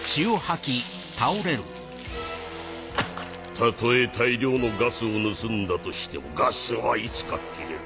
たとえ大量のガスを盗んだとしてもガスはいつか切れる。